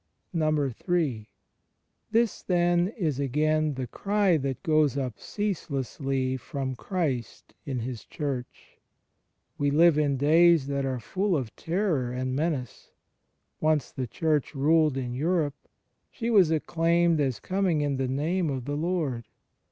III. This then is, again, the cry that goes up cease lessly from Christ in His Church. We live in dajrs that are full of terror and menace. Once the Church ruled in Europe; she was acclaimed as '^ coming in the Name of the Lord."